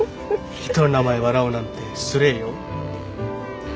人の名前を笑うなんて失礼よ。